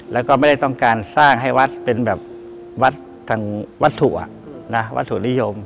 แล้วก็ไม่ได้ต้องการสร้างให้วัดเป็นวัดถั่วนิยม